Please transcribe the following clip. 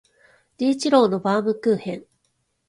治一郎のバームクーヘン